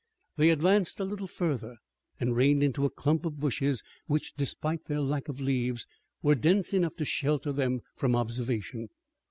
They advanced a little further and reined into a clump of bushes which despite their lack of leaves were dense enough to shelter them from observation.